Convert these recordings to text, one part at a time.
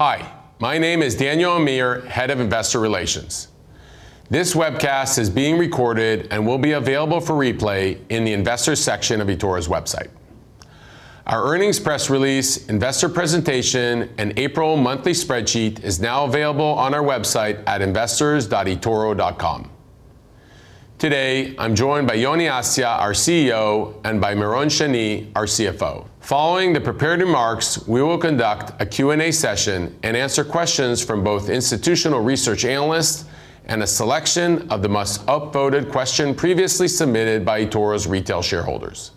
Hi, my name is Daniel Amir, Head of Investor Relations. This webcast is being recorded and will be available for replay in the investor section of eToro's website. Our earnings press release, investor presentation, and April monthly spreadsheet is now available on our website at investors.etoro.com. Today, I'm joined by Yoni Assia, our CEO, and by Meron Shani, our CFO. Following the prepared remarks, we will conduct a Q&A session and answer questions from both institutional research analysts and a selection of the most upvoted question previously submitted by eToro's retail shareholders.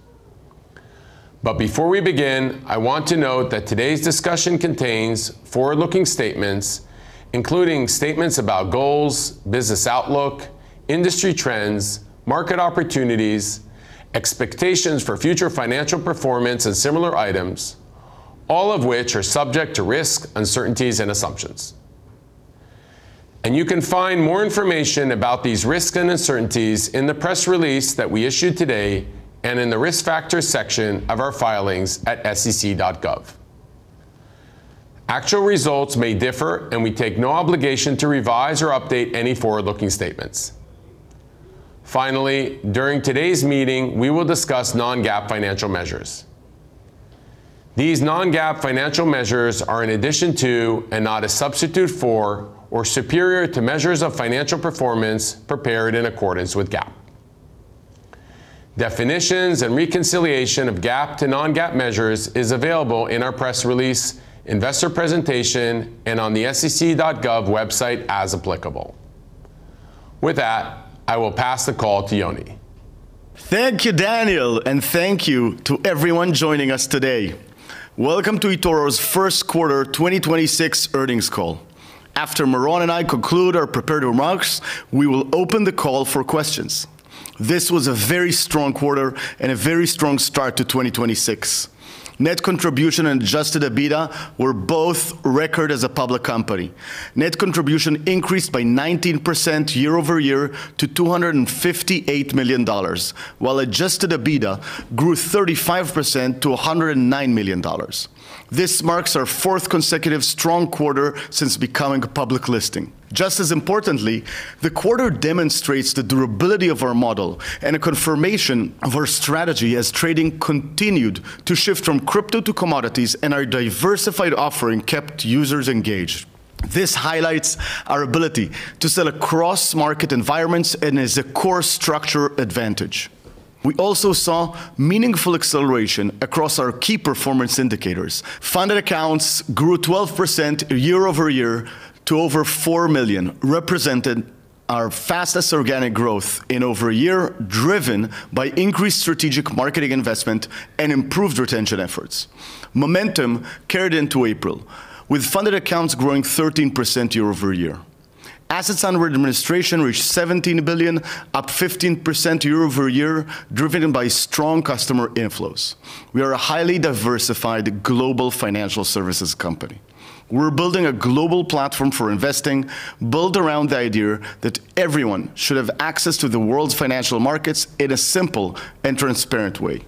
Before we begin, I want to note that today's discussion contains forward-looking statements, including statements about goals, business outlook, industry trends, market opportunities, expectations for future financial performance, and similar items, all of which are subject to risk, uncertainties, and assumptions. You can find more information about these risks and uncertainties in the press release that we issued today, and in the Risk Factors section of our filings at sec.gov. Actual results may differ, and we take no obligation to revise or update any forward-looking statements. During today's meeting, we will discuss non-GAAP financial measures. These non-GAAP financial measures are in addition to, and not a substitute for, or superior to measures of financial performance prepared in accordance with GAAP. Definitions and reconciliation of GAAP to non-GAAP measures is available in our press release, investor presentation, and on the sec.gov website as applicable. With that, I will pass the call to Yoni. Thank you, Daniel, and thank you to everyone joining us today. Welcome to eToro's first quarter 2026 earnings call. After Meron and I conclude our prepared remarks, we will open the call for questions. This was a very strong quarter and a very strong start to 2026. Net contribution and adjusted EBITDA were both record as a public company. Net contribution increased by 19% year-over-year to $258 million, while adjusted EBITDA grew 35% to $109 million. This marks our fourth consecutive strong quarter since becoming a public listing. Just as importantly, the quarter demonstrates the durability of our model and a confirmation of our strategy as trading continued to shift from crypto to commodities and our diversified offering kept users engaged. This highlights our ability to sell across market environments and is a core structure advantage. We also saw meaningful acceleration across our key performance indicators. Funded accounts grew 12% year-over-year to over 4 million, representing our fastest organic growth in over one year, driven by increased strategic marketing investment and improved retention efforts. Momentum carried into April, with funded accounts growing 13% year-over-year. Assets under administration reached $17 billion, up 15% year-over-year, driven by strong customer inflows. We are a highly diversified global financial services company. We're building a global platform for investing, built around the idea that everyone should have access to the world's financial markets in a simple and transparent way.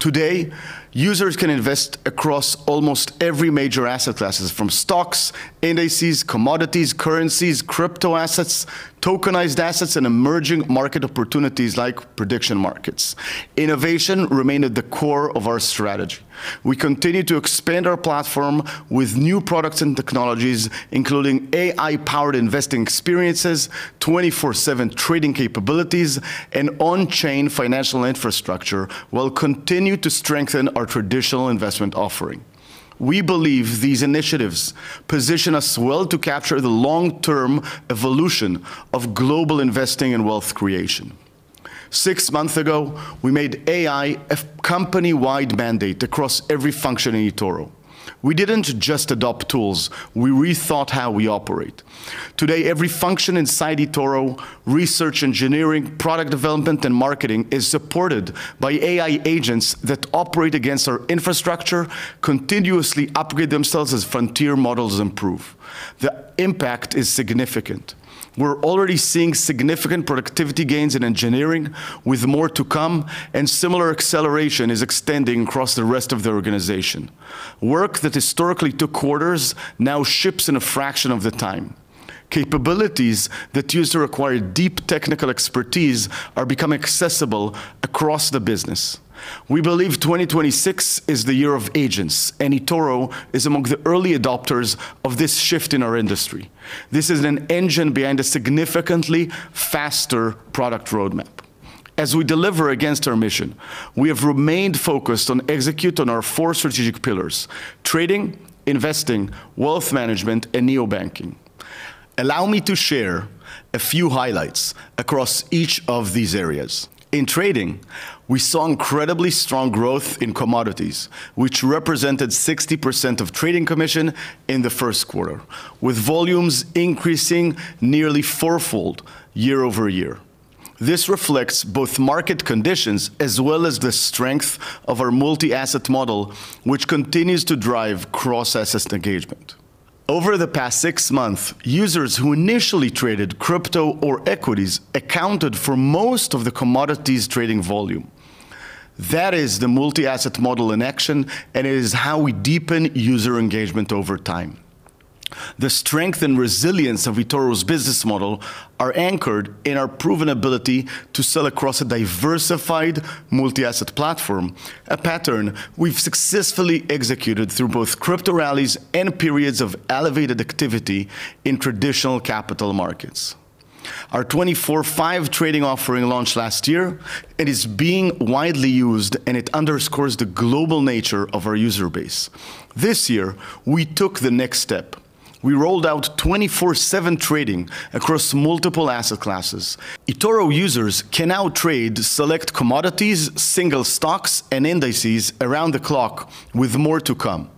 Today, users can invest across almost every major asset classes, from stocks, indices, commodities, currencies, crypto assets, tokenized assets, and emerging market opportunities like prediction markets. Innovation remained at the core of our strategy. We continue to expand our platform with new products and technologies, including AI-powered investing experiences, 24/7 trading capabilities, and on-chain financial infrastructure, while continue to strengthen our traditional investment offering. We believe these initiatives position us well to capture the long-term evolution of global investing and wealth creation. Six months ago, we made AI a company-wide mandate across every function in eToro. We didn't just adopt tools, we rethought how we operate. Today, every function inside eToro, research, engineering, product development, and marketing, is supported by AI agents that operate against our infrastructure, continuously upgrade themselves as frontier models improve. The impact is significant. We're already seeing significant productivity gains in engineering with more to come, and similar acceleration is extending across the rest of the organization. Work that historically took quarters now ships in a fraction of the time. Capabilities that used to require deep technical expertise are becoming accessible across the business. We believe 2026 is the year of agents, and eToro is among the early adopters of this shift in our industry. This is an engine behind a significantly faster product roadmap. As we deliver against our mission, we have remained focused on execute on our four strategic pillars: Trading, Investing, Wealth Management, and Neo-Banking. Allow me to share a few highlights across each of these areas. In Trading, we saw incredibly strong growth in commodities, which represented 60% of trading commission in the first quarter, with volumes increasing nearly 4x year-over-year. This reflects both market conditions as well as the strength of our multi-asset model, which continues to drive cross-asset engagement. Over the past six months, users who initially traded crypto or equities accounted for most of the commodities trading volume. That is the multi-asset model in action. It is how we deepen user engagement over time. The strength and resilience of eToro's business model are anchored in our proven ability to sell across a diversified multi-asset platform, a pattern we've successfully executed through both crypto rallies and periods of elevated activity in traditional capital markets. Our 24/5 trading offering launched last year. It is being widely used. It underscores the global nature of our user base. This year, we took the next step. We rolled out 24/7 trading across multiple asset classes. eToro users can now trade select commodities, single stocks, and indices around the clock with more to come.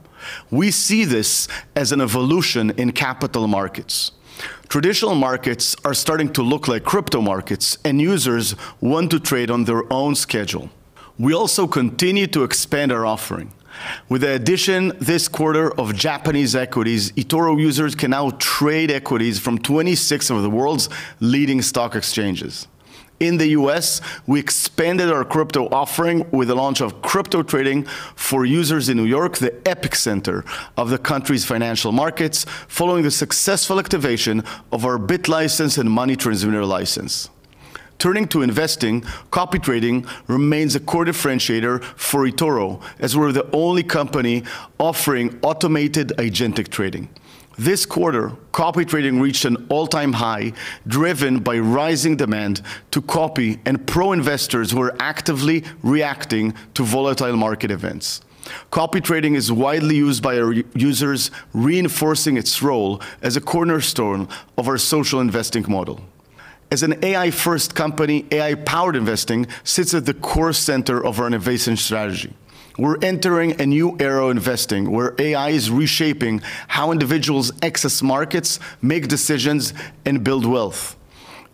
We see this as an evolution in capital markets. Traditional markets are starting to look like crypto markets. Users want to trade on their own schedule. We also continue to expand our offering. With the addition this quarter of Japanese equities, eToro users can now trade equities from 26 of the world's leading stock exchanges. In the U.S., we expanded our crypto offering with the launch of crypto trading for users in New York, the epicenter of the country's financial markets, following the successful activation of our BitLicense and Money Transmitter License. Turning to investing, copy trading remains a core differentiator for eToro, as we're the only company offering automated agentic trading. This quarter, copy trading reached an all-time high driven by rising demand to copy, pro investors were actively reacting to volatile market events. Copy trading is widely used by our users, reinforcing its role as a cornerstone of our social investing model. As an AI-first company, AI-powered investing sits at the core center of our innovation strategy. We're entering a new era of investing where AI is reshaping how individuals access markets, make decisions, and build wealth.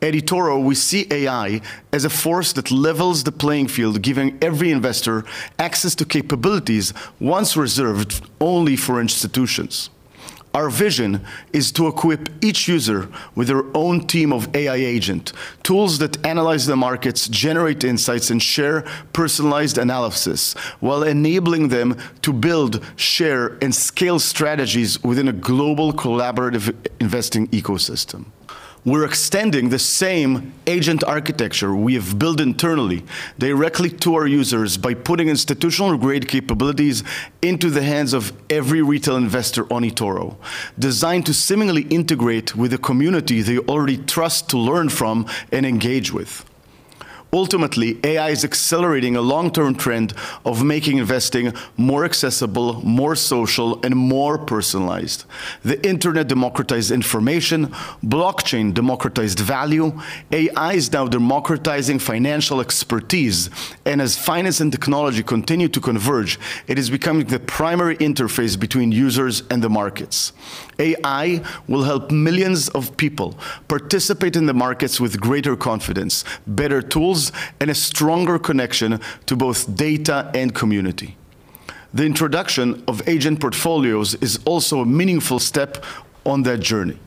At eToro, we see AI as a force that levels the playing field, giving every investor access to capabilities once reserved only for institutions. Our vision is to equip each user with their own team of AI agent, tools that analyze the markets, generate insights, and share personalized analysis while enabling them to build, share, and scale strategies within a global collaborative investing ecosystem. We're extending the same agent architecture we have built internally directly to our users by putting institutional-grade capabilities into the hands of every retail investor on eToro, designed to seamlessly integrate with the community they already trust to learn from and engage with. Ultimately, AI is accelerating a long-term trend of making investing more accessible, more social, and more personalized. The Internet democratized information. Blockchain democratized value. AI is now democratizing financial expertise. As finance and technology continue to converge, it is becoming the primary interface between users and the markets. AI will help millions of people participate in the markets with greater confidence, better tools, and a stronger connection to both data and community. The introduction of Agent Portfolios is also a meaningful step on that journey.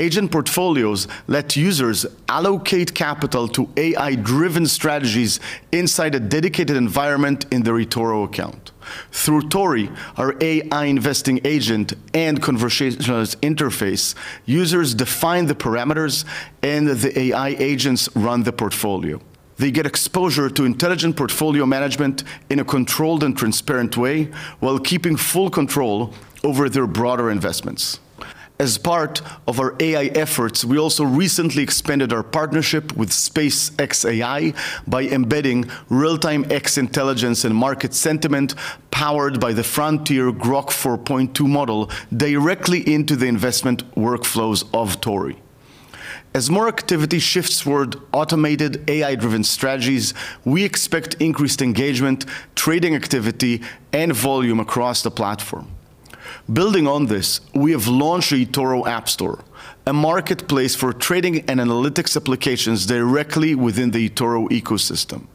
Agent Portfolios let users allocate capital to AI-driven strategies inside a dedicated environment in their eToro account. Through Tori, our AI investing agent and conversationalist interface, users define the parameters, and the AI agents run the portfolio. They get exposure to intelligent portfolio management in a controlled and transparent way while keeping full control over their broader investments. As part of our AI efforts, we also recently expanded our partnership with xAI by embedding real-time X intelligence and market sentiment powered by the frontier Grok 4.2 model directly into the investment workflows of Tori. As more activity shifts toward automated AI-driven strategies, we expect increased engagement, trading activity, and volume across the platform. Building on this, we have launched the eToro App Store, a marketplace for trading and analytics applications directly within the eToro ecosystem.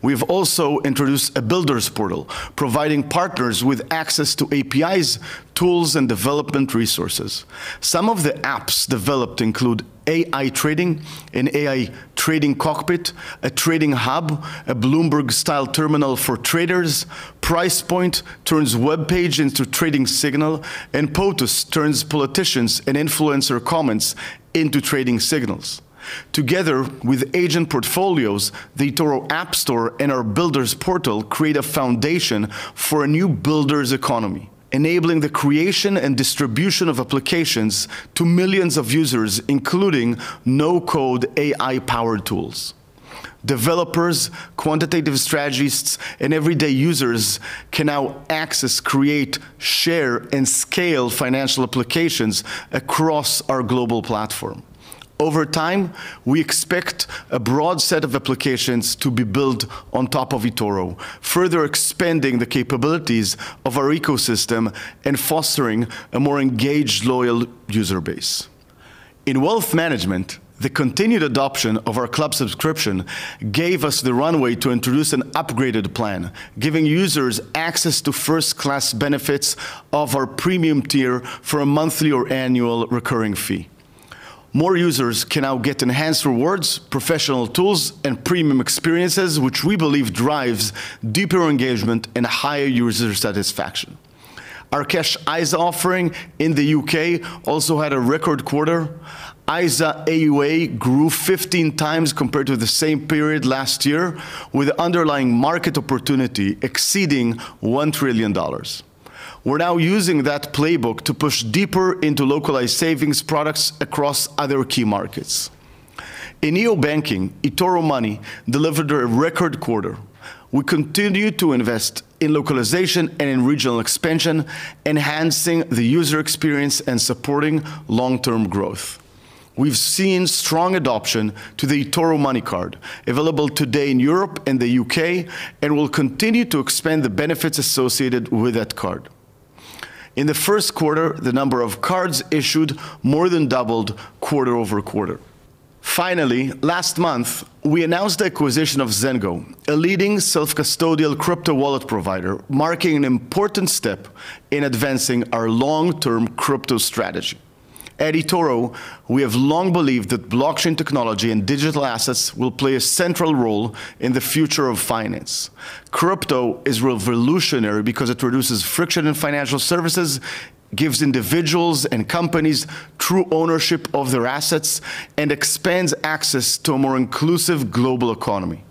We've also introduced a builders portal, providing partners with access to APIs, tools, and development resources. Some of the apps developed include AI Trading and AI Trading Cockpit, a trading hub, a Bloomberg-style terminal for traders. Price Point turns web page into trading signal, and POTUS turns politicians' and influencers' comments into trading signals. Together with Agent Portfolios, the eToro App Store and our builders portal create a foundation for a new builders economy, enabling the creation and distribution of applications to millions of users, including no-code AI-powered tools. Developers, quantitative strategists, and everyday users can now access, create, share, and scale financial applications across our global platform. Over time, we expect a broad set of applications to be built on top of eToro, further expanding the capabilities of our ecosystem and fostering a more engaged, loyal user base. In Wealth Management, the continued adoption of our club subscription gave us the runway to introduce an upgraded plan, giving users access to first-class benefits of our premium tier for a monthly or annual recurring fee. More users can now get enhanced rewards, professional tools, and premium experiences, which we believe drives deeper engagement and higher user satisfaction. Our cash ISA offering in the U.K. also had a record quarter. ISA AUA grew 15x compared to the same period last year, with underlying market opportunity exceeding $1 trillion. We're now using that playbook to push deeper into localized savings products across other key markets. In neo banking, eToro Money delivered a record quarter. We continue to invest in localization and in regional expansion, enhancing the user experience and supporting long-term growth. We've seen strong adoption to the eToro Money card, available today in Europe and the U.K., and will continue to expand the benefits associated with that card. In the first quarter, the number of cards issued more than doubled quarter-over-quarter. Finally, last month, we announced the acquisition of Zengo, a leading self-custodial crypto wallet provider, marking an important step in advancing our long-term crypto strategy. At eToro, we have long believed that blockchain technology and digital assets will play a central role in the future of finance. Crypto is revolutionary because it reduces friction in financial services, gives individuals and companies true ownership of their assets, and expands access to a more inclusive global economy.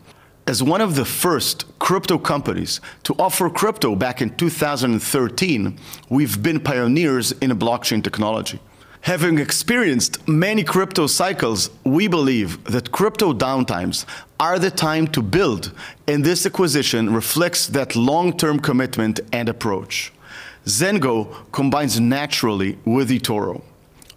As one of the first crypto companies to offer crypto back in 2013, we've been pioneers in the blockchain technology. Having experienced many crypto cycles, we believe that crypto downtimes are the time to build, and this acquisition reflects that long-term commitment and approach. Zengo combines naturally with eToro.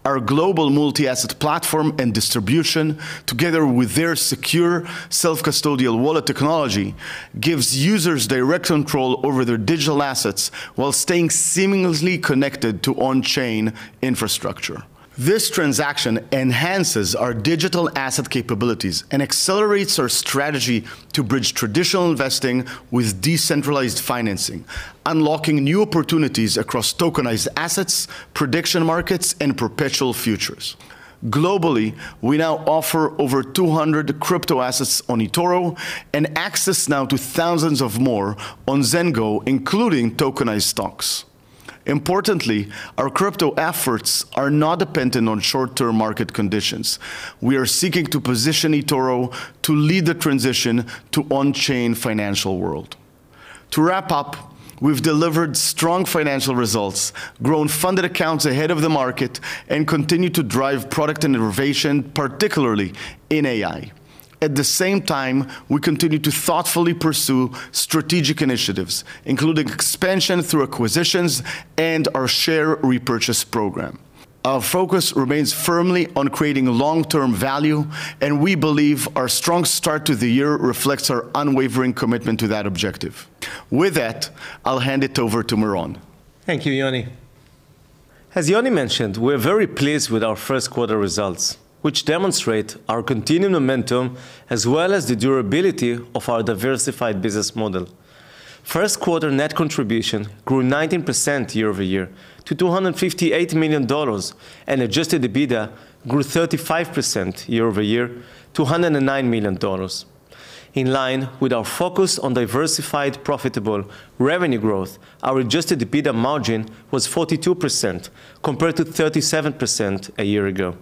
Our global multi-asset platform and distribution, together with their secure self-custodial wallet technology, gives users direct control over their digital assets while staying seamlessly connected to on-chain infrastructure. This transaction enhances our digital asset capabilities and accelerates our strategy to bridge traditional investing with decentralized financing, unlocking new opportunities across tokenized assets, prediction markets, and perpetual futures. Globally, we now offer over 200 crypto assets on eToro and access now to thousands of more on Zengo, including tokenized stocks. Importantly, our crypto efforts are not dependent on short-term market conditions. We are seeking to position eToro to lead the transition to on-chain financial world. To wrap up, we've delivered strong financial results, grown funded accounts ahead of the market, and continue to drive product innovation, particularly in AI. At the same time, we continue to thoughtfully pursue strategic initiatives, including expansion through acquisitions and our share repurchase program. Our focus remains firmly on creating long-term value, and we believe our strong start to the year reflects our unwavering commitment to that objective. With that, I'll hand it over to Meron Shani. Thank you, Yoni. As Yoni mentioned, we're very pleased with our first quarter results, which demonstrate our continued momentum as well as the durability of our diversified business model. First quarter net contribution grew 19% year-over-year to $258 million, and adjusted EBITDA grew 35% year-over-year to $109 million. In line with our focus on diversified, profitable revenue growth, our adjusted EBITDA margin was 42%, compared to 37% a year ago.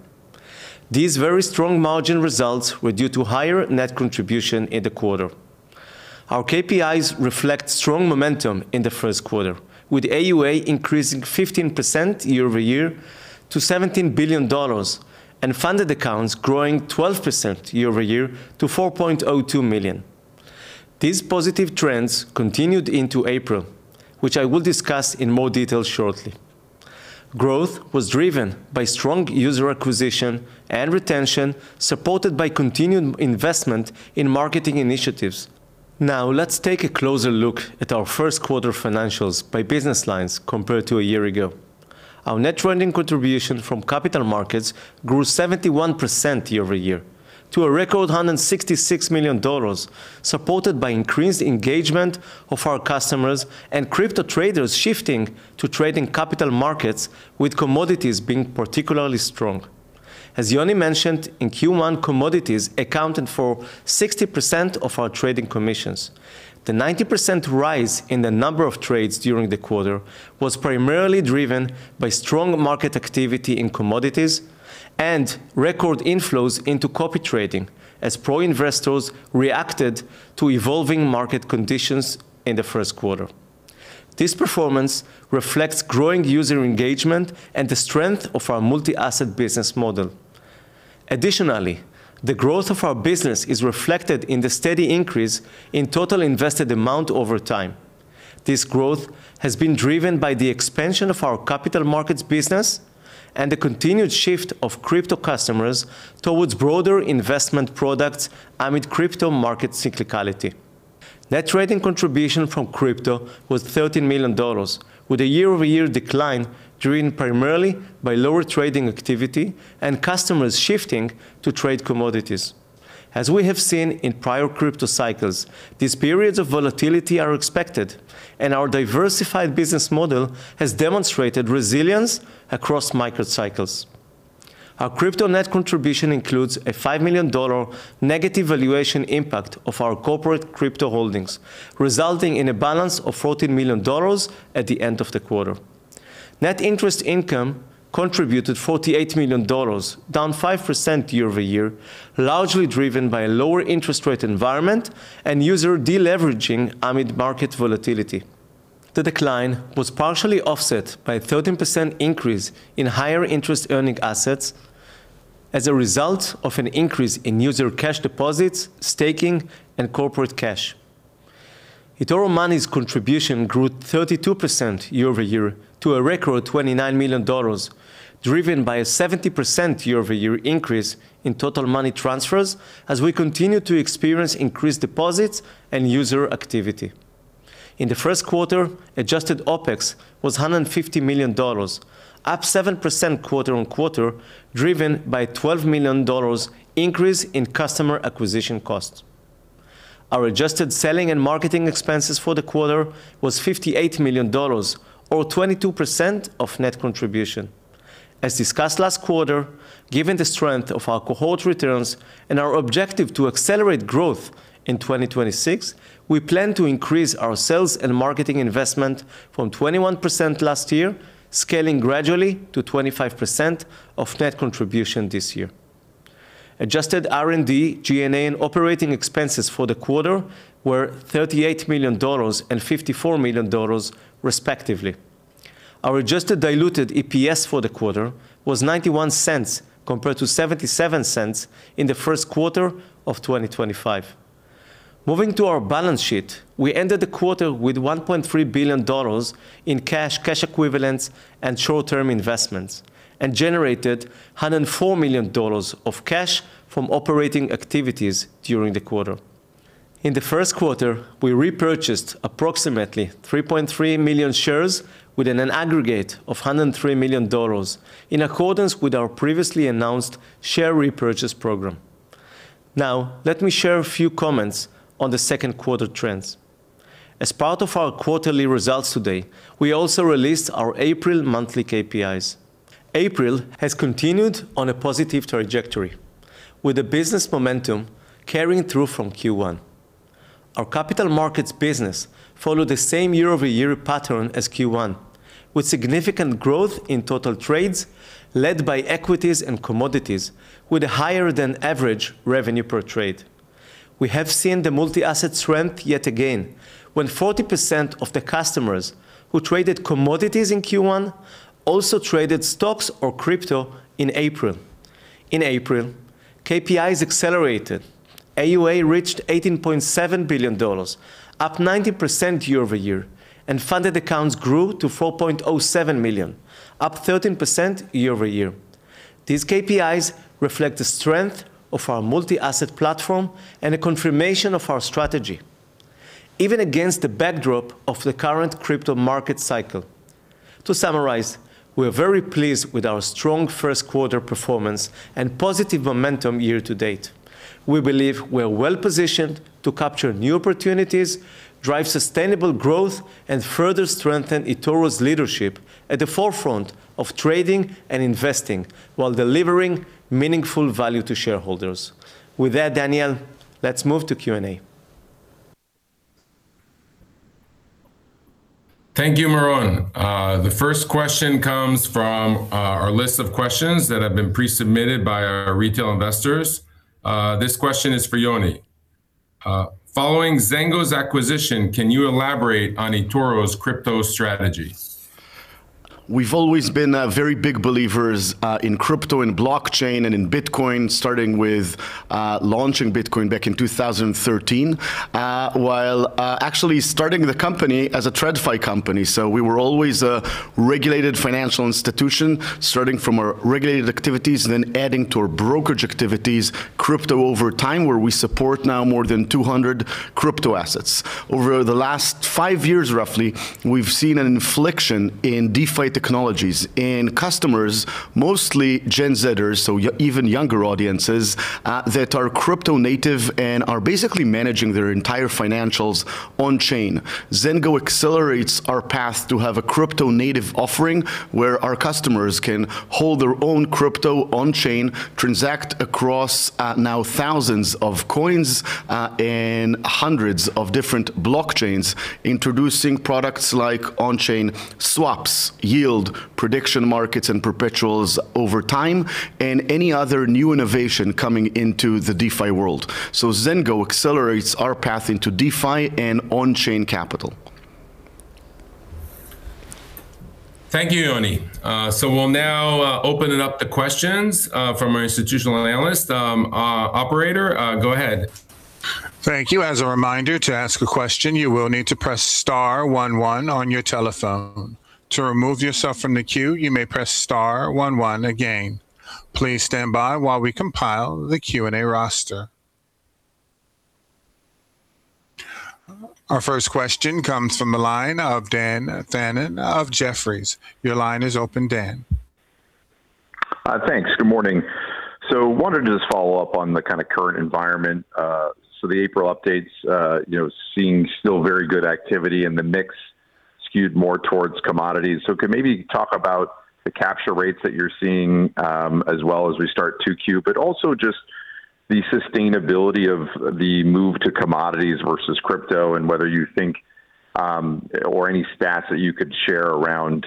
These very strong margin results were due to higher net contribution in the quarter. Our KPIs reflect strong momentum in the first quarter, with AUA increasing 15% year-over-year to $17 billion and funded accounts growing 12% year-over-year to 4.02 million. These positive trends continued into April, which I will discuss in more detail shortly. Growth was driven by strong user acquisition and retention, supported by continued investment in marketing initiatives. Let's take a closer look at our first quarter financials by business lines compared to a year-over-year ago. Our net trending contribution from capital markets grew 71% year-over-year to a record $166 million, supported by increased engagement of our customers and crypto traders shifting to trading capital markets, with commodities being particularly strong. As Yoni mentioned, in Q1, commodities accounted for 60% of our trading commissions. The 90% rise in the number of trades during the quarter was primarily driven by strong market activity in commodities and record inflows into copy trading as pro investors reacted to evolving market conditions in the first quarter. This performance reflects growing user engagement and the strength of our multi-asset business model. Additionally, the growth of our business is reflected in the steady increase in total invested amount over time. This growth has been driven by the expansion of our capital markets business and the continued shift of crypto customers towards broader investment products amid crypto market cyclicality. Net trading contribution from crypto was $13 million, with a year-over-year decline driven primarily by lower trading activity and customers shifting to trade commodities. As we have seen in prior crypto cycles, these periods of volatility are expected, and our diversified business model has demonstrated resilience across microcycles. Our crypto net contribution includes a $5 million negative valuation impact of our corporate crypto holdings, resulting in a balance of $14 million at the end of the quarter. Net interest income contributed $48 million, down 5% year-over-year, largely driven by lower interest rate environment and user de-leveraging amid market volatility. The decline was partially offset by a 13% increase in higher interest earning assets as a result of an increase in user cash deposits, staking, and corporate cash. eToro Money's contribution grew 32% year-over-year to a record $29 million, driven by a 70% year-over-year increase in total money transfers as we continue to experience increased deposits and user activity. In the first quarter, adjusted OpEx was $150 million, up 7% quarter-on-quarter, driven by $12 million increase in customer acquisition costs. Our adjusted selling and marketing expenses for the quarter was $58 million, or 22% of net contribution. As discussed last quarter, given the strength of our cohort returns and our objective to accelerate growth in 2026, we plan to increase our sales and marketing investment from 21% last year, scaling gradually to 25% of net contribution this year. Adjusted R&D, G&A, and operating expenses for the quarter were $38 million and $54 million respectively. Our adjusted diluted EPS for the quarter was $0.91 compared to $0.77 in the first quarter of 2025. Moving to our balance sheet, we ended the quarter with $1.3 billion in cash equivalents, and short-term investments, and generated $104 million of cash from operating activities during the quarter. In the first quarter, we repurchased approximately 3.3 million shares with an aggregate of $103 million in accordance with our previously announced share repurchase program. Now, let me share a few comments on the second quarter trends. As part of our quarterly results today, we also released our April monthly KPIs. April has continued on a positive trajectory, with the business momentum carrying through from Q1. Our capital markets business followed the same year-over-year pattern as Q1, with significant growth in total trades led by equities and commodities, with a higher than average revenue per trade. We have seen the multi-asset strength yet again, when 40% of the customers who traded commodities in Q1 also traded stocks or crypto in April. In April, KPIs accelerated. AUA reached $18.7 billion, up 90% year-over-year, and funded accounts grew to 4.07 million, up 13% year-over-year. These KPIs reflect the strength of our multi-asset platform and a confirmation of our strategy, even against the backdrop of the current crypto market cycle. To summarize, we are very pleased with our strong first quarter performance and positive momentum year-to-date. We believe we're well-positioned to capture new opportunities, drive sustainable growth, and further strengthen eToro's leadership at the forefront of trading and investing while delivering meaningful value to shareholders. With that, Daniel, let's move to Q&A. Thank you, Meron. The first question comes from our list of questions that have been pre-submitted by our retail investors. This question is for Yoni. Following Zengo's acquisition, can you elaborate on eToro's crypto strategy? We've always been very big believers in crypto, in blockchain, and in Bitcoin, starting with launching Bitcoin back in 2013. While actually starting the company as a TradFi company. We were always a regulated financial institution, starting from our regulated activities and then adding to our brokerage activities crypto over time, where we support now more than 200 crypto assets. Over the last five years, roughly, we've seen an inflection in DeFi technologies in customers, mostly Gen Zers, so even younger audiences that are crypto native and are basically managing their entire financials on-chain. Zengo accelerates our path to have a crypto-native offering where our customers can hold their own crypto on-chain, transact across now thousands of coins and hundreds of different blockchains, introducing products like on-chain swaps, yield, prediction markets, and perpetuals over time, and any other new innovation coming into the DeFi world. Zengo accelerates our path into DeFi and on-chain capital. Thank you, Yoni. We'll now open it up to questions from our institutional analysts. Operator, go ahead. Thank you. As a reminder, to ask question, you will need to press star one one on your telephone. To remove yourself from the queue, you may press star one one again. Please stand by while we compile the Q&A roster. Our first question comes from the line of Dan Fannon of Jefferies. Your line is open, Dan. Thanks. Good morning. Wanted to just follow up on the kinda current environment. The April updates, you know, seeing still very good activity in the mix skewed more towards commodities. Could maybe talk about the capture rates that you're seeing, as well as we start 2Q. Also just the sustainability of the move to commodities versus crypto, and whether you think, or any stats that you could share around,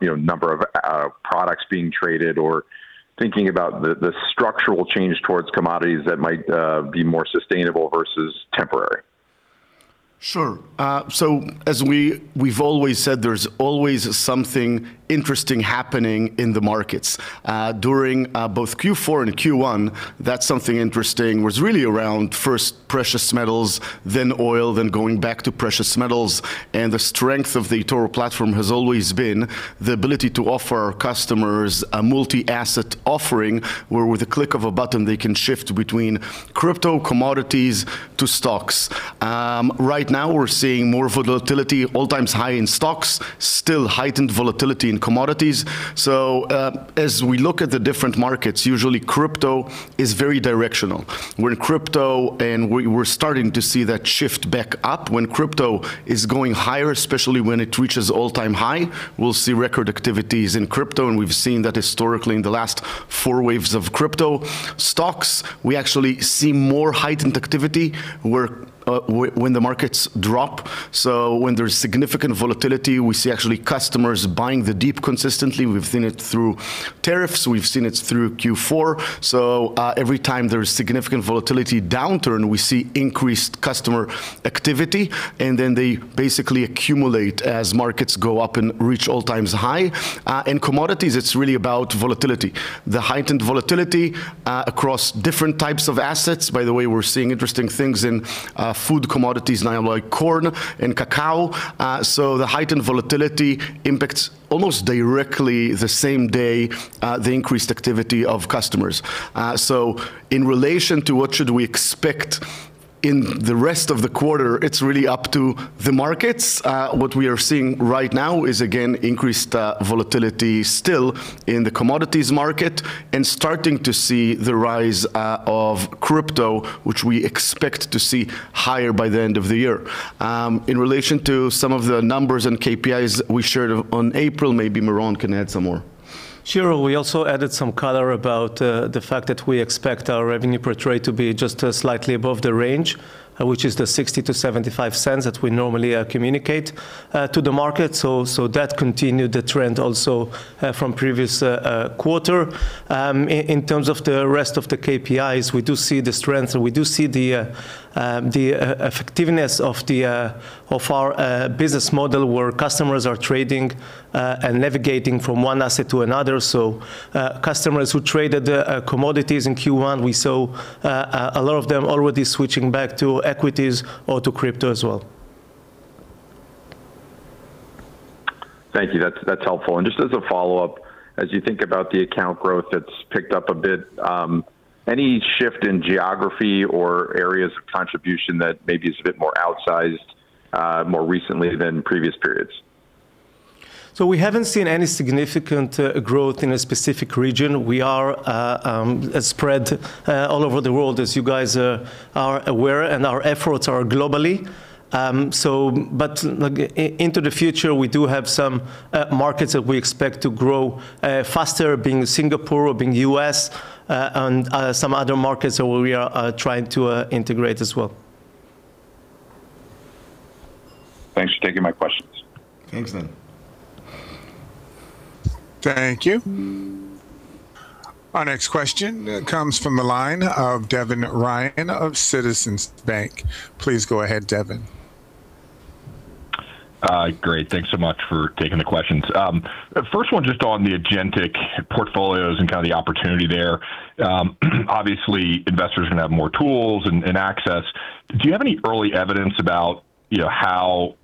you know, number of products being traded, or thinking about the structural change towards commodities that might be more sustainable versus temporary. Sure. As we've always said, there's always something interesting happening in the markets. During both Q4 and Q1, that something interesting was really around first precious metals, then oil, then going back to precious metals. The strength of the eToro platform has always been the ability to offer our customers a multi-asset offering, where with a click of a button they can shift between crypto, commodities to stocks. Right now we're seeing more volatility, all-time high in stocks, still heightened volatility in commodities. As we look at the different markets, usually crypto is very directional. We're in crypto, and we're starting to see that shift back up. When crypto is going higher, especially when it reaches all-time high, we'll see record activities in crypto, and we've seen that historically in the last four waves of crypto. Stocks, we actually see more heightened activity where, when the markets drop. When there's significant volatility, we see actually customers buying the dip consistently. We've seen it through tariffs, we've seen it through Q4. Every time there is significant volatility downturn, we see increased customer activity, and then they basically accumulate as markets go up and reach all-times high. In commodities, it's really about volatility. The heightened volatility across different types of assets. By the way, we're seeing interesting things in food commodities now like corn and cacao. The heightened volatility impacts almost directly the same day, the increased activity of customers. In relation to what should we expect in the rest of the quarter, it's really up to the markets. What we are seeing right now is, again, increased volatility still in the commodities market, and starting to see the rise of crypto, which we expect to see higher by the end of the year. In relation to some of the numbers and KPIs we shared on April, maybe Meron can add some more. Sure. We also added some color about the fact that we expect our revenue per trade to be just slightly above the range, which is the $0.60-$0.75 that we normally communicate to the market. That continued the trend also from previous quarter. In terms of the rest of the KPIs, we do see the strength and we do see the effectiveness of our business model where customers are trading and navigating from one asset to another. Customers who traded commodities in Q1, we saw a lot of them already switching back to equities or to crypto as well. Thank you. That's helpful. Just as a follow-up, as you think about the account growth that's picked up a bit, any shift in geography or areas of contribution that maybe is a bit more outsized, more recently than previous periods? We haven't seen any significant growth in a specific region. We are spread all over the world as you guys are aware, and our efforts are globally. Into the future, we do have some markets that we expect to grow faster, being Singapore or being U.S., and some other markets where we are trying to integrate as well. Thanks for taking my questions. Thanks, Dan. Thank you. Our next question comes from the line of Devin Ryan of Citizens Bank. Please go ahead, Devin. Great. Thanks so much for taking the questions. First one just on the Agent Portfolios and kind of the opportunity there. Obviously, investors can have more tools and access. Do you have any early evidence about, you know, how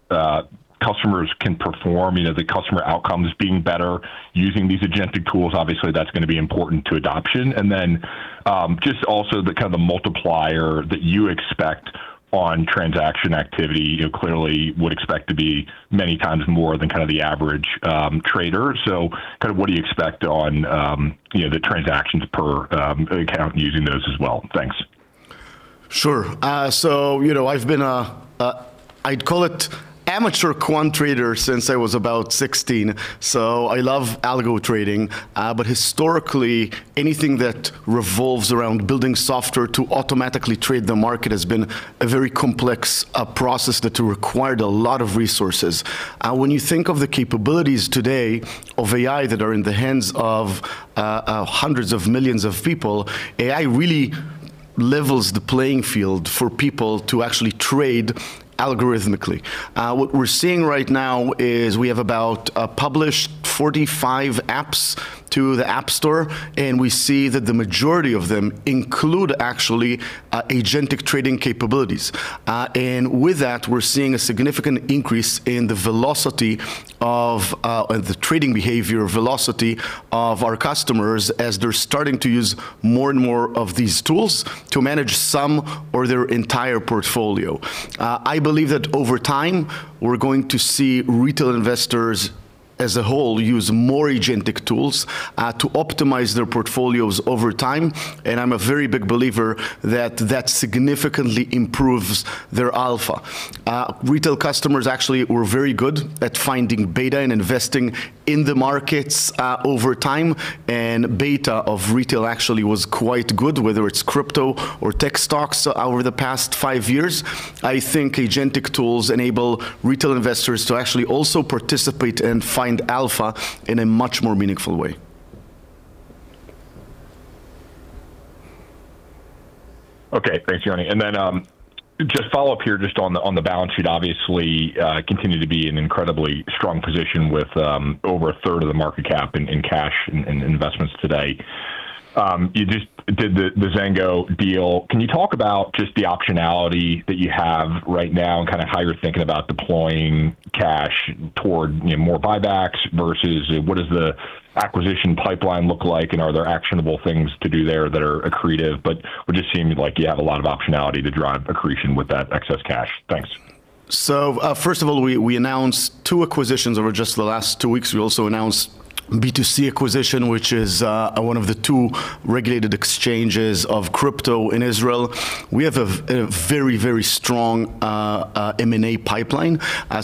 customers can perform? You know, the customer outcomes being better using these agentic tools. Obviously, that's gonna be important to adoption. Just also the kind of the multiplier that you expect on transaction activity. You know, clearly would expect to be many times more than kind of the average trader. Kind of what do you expect on, you know, the transactions per account using those as well? Thanks. Sure. You know, I've been a, I'd call it amateur quant trader since I was about 16, so I love algo trading. Historically, anything that revolves around building software to automatically trade the market has been a very complex process that required a lot of resources. When you think of the capabilities today of AI that are in the hands of hundreds of millions of people, AI really levels the playing field for people to actually trade algorithmically. What we're seeing right now is we have about published 45 apps to the App Store, and we see that the majority of them include actually agentic trading capabilities. With that, we're seeing a significant increase in the velocity of the trading behavior velocity of our customers as they're starting to use more and more of these tools to manage some or their entire portfolio. I believe that over time, we're going to see retail investors as a whole use more agentic tools to optimize their portfolios over time, and I'm a very big believer that that significantly improves their alpha. Retail customers actually were very good at finding beta and investing in the markets over time, and beta of retail actually was quite good, whether it's crypto or tech stocks over the past five years. I think agentic tools enable retail investors to actually also participate and find alpha in a much more meaningful way. Okay. Thanks, Yoni. Just follow up here just on the balance sheet, obviously, continue to be an incredibly strong position with over 1/3 of the market cap in cash in investments today. You just did the Zengo deal. Can you talk about just the optionality that you have right now and kinda how you're thinking about deploying cash toward more buybacks versus what does the acquisition pipeline look like, and are there actionable things to do there that are accretive? We're just seeing like you have a lot of optionality to drive accretion with that excess cash. Thanks. First of all, we announced two acquisitions over just the last two weeks. We also announced Bit2C acquisition, which is one of the two regulated exchanges of crypto in Israel. We have a very strong M&A pipeline.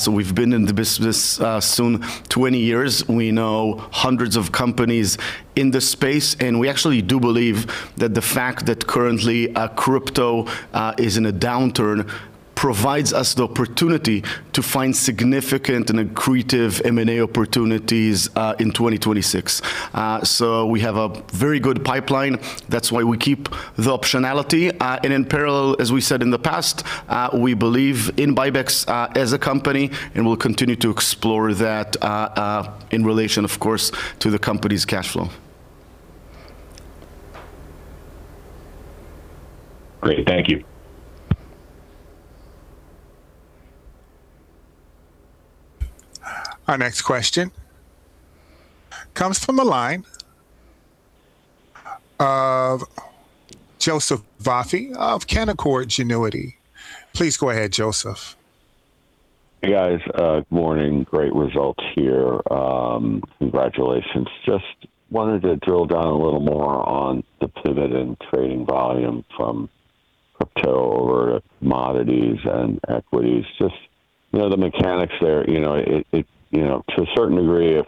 We've been in the business soon 20 years. We know hundreds of companies in this space, we actually do believe that the fact that currently crypto is in a downturn provides us the opportunity to find significant and accretive M&A opportunities in 2026. We have a very good pipeline. That's why we keep the optionality. In parallel, as we said in the past, we believe in Buybacks as a company, and we'll continue to explore that in relation, of course, to the company's cash flow. Great. Thank you. Our next question comes from a line of Joseph Vafi of Canaccord Genuity. Please go ahead, Joseph. Hey, guys. Good morning. Great results here. Congratulations. Just wanted to drill down a little more on the pivot in trading volume from crypto over to commodities and equities. Just, you know, the mechanics there. You know, to a certain degree, if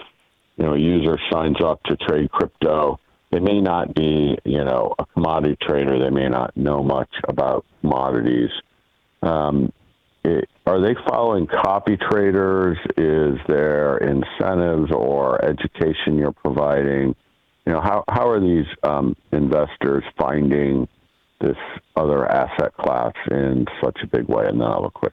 a user signs up to trade crypto, they may not be, you know, a commodity trader. They may not know much about commodities. Are they following CopyTrader? Is there incentives or education you're providing? You know, how are these investors finding this other asset class in such a big way? Then I'll have a quick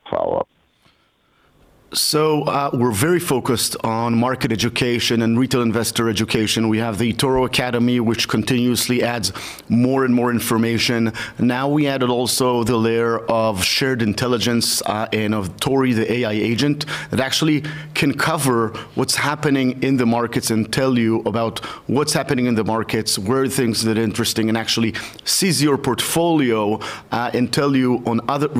follow-up. We're very focused on market education and retail investor education. We have the eToro Academy, which continuously adds more and more information. Now we added also the layer of shared intelligence and of Tori, the AI agent, that actually can cover what's happening in the markets and tell you about what's happening in the markets, where are things that are interesting, and actually assess your portfolio and tell you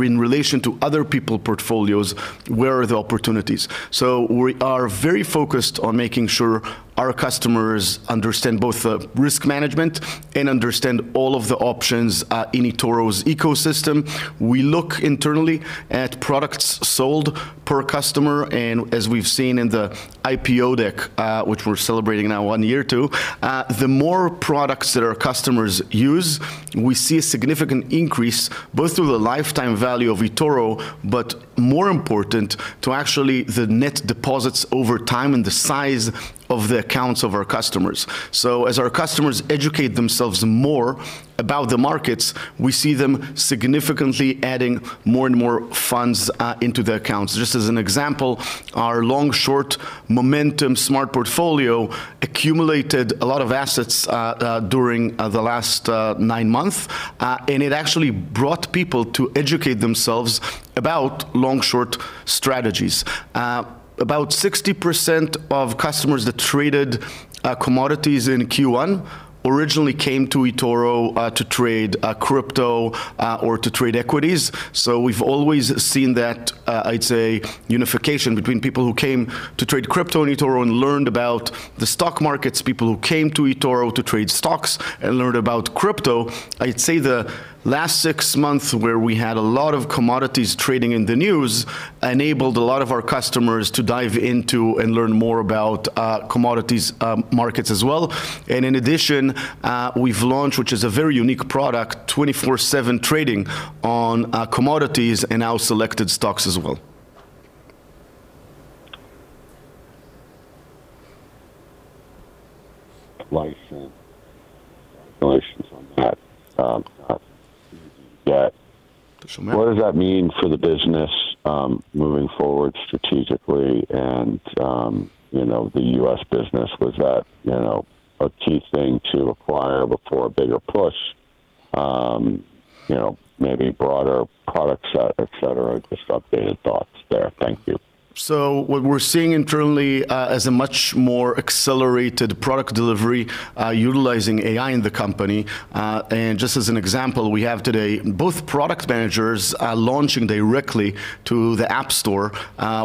in relation to other people portfolios, where are the opportunities. We are very focused on making sure our customers understand both risk management and understand all of the options in eToro's ecosystem. As we've seen in the IPO deck, which we're celebrating now one year too, the more products that our customers use, we see a significant increase both through the lifetime value of eToro, but more important to actually the net deposits over time and the size of the accounts of our customers. As our customers educate themselves more about the markets, we see them significantly adding more and more funds into the accounts. Just as an example, our long-short momentum Smart Portfolios accumulated a lot of assets during the last nine months, and it actually brought people to educate themselves about long-short strategies. About 60% of customers that traded commodities in Q1 originally came to eToro to trade crypto or to trade equities. We've always seen that, I'd say unification between people who came to trade crypto in eToro and learned about the stock markets, people who came to eToro to trade stocks and learned about crypto. I'd say the last six months where we had a lot of commodities trading in the news enabled a lot of our customers to dive into and learn more about commodities markets as well. In addition, we've launched, which is a very unique product, 24/7 trading on commodities and now selected stocks as well. Life, congratulations on that. Sure What does that mean for the business, moving forward strategically and, you know, the U.S. business? Was that, you know, a key thing to acquire before a bigger push, you know, maybe broader product set, et cetera? Just updated thoughts there. Thank you. What we're seeing internally is a much more accelerated product delivery, utilizing AI in the company. Just as an example, we have today both product managers launching directly to the App Store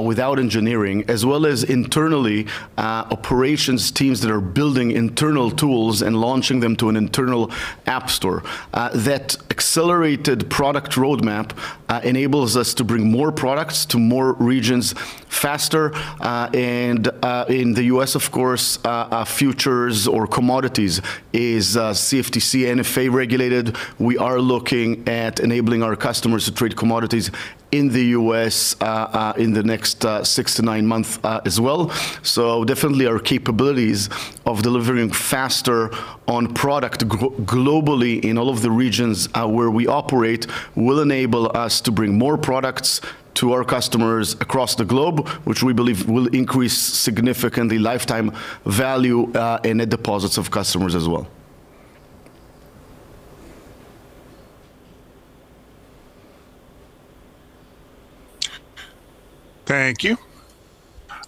without engineering, as well as internally, operations teams that are building internal tools and launching them to an internal app store. That accelerated product roadmap enables us to bring more products to more regions faster. In the U.S. of course, futures or commodities is CFTC/NFA-regulated. We are looking at enabling our customers to trade commodities in the U.S. in the next six to nine months as well. Definitely our capabilities of delivering faster on product globally in all of the regions, where we operate will enable us to bring more products to our customers across the globe, which we believe will increase significantly lifetime value, and the deposits of customers as well. Thank you.